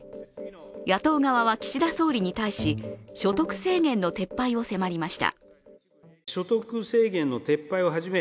野党側は岸田総理に対し所得制限の撤廃を迫りました。